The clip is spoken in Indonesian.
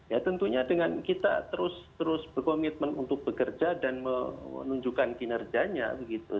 ya tentunya dengan kita terus terus berkomitmen untuk bekerja dan menunjukkan kinerjanya begitu